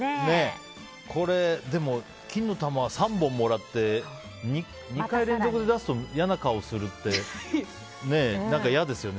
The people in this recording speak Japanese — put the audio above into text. これ、でも金の玉３本もらって２回連続で出すと嫌な顔するって何か嫌ですね。